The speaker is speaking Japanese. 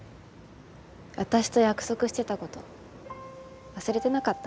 私と約束してたこと忘れてなかった？